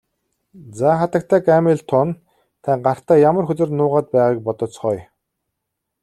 За хатагтай Гамильтон та гартаа ямар хөзөр нуугаад байгааг бодоцгооё.